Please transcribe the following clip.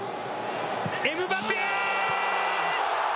エムバペ！